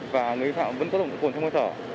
và người vi phạm vẫn có nồng độ cồn trong hơi thở